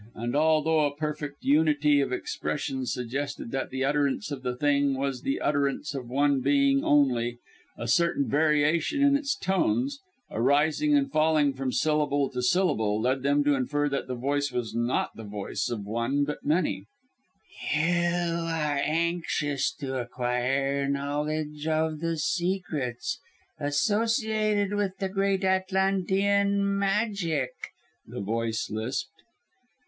And, although a perfect unity of expression suggested that the utterance of the Thing was the utterance of one being only, a certain variation in its tones, a rising and falling from syllable to syllable, led them to infer that the voice was not the voice of one but of many. "You are anxious to acquire knowledge of the Secrets associated with the Great Atlantean Magic?" the voice lisped.